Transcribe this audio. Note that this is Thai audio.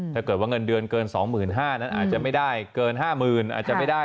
ถ้าเกิดว่าเงินเดือนเกิน๒๕๐๐บาทนั้นอาจจะไม่ได้เกิน๕๐๐๐อาจจะไม่ได้